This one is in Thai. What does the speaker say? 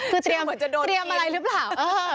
เชื่อเหมือนจะโดนอินคือเตรียมอะไรรึเปล่าเออ